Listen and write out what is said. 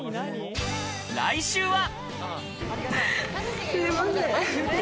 来週は。